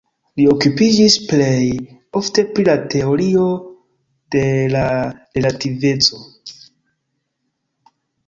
Li okupiĝis plej ofte pri la teorio de la relativeco.